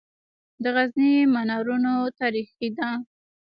د غزني منارونه تاریخي دي